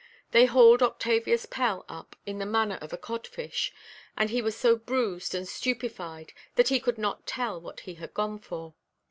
They hauled Octavius Pell up in the manner of a cod–fish, and he was so bruised and stupefied, that he could not tell what he had gone for.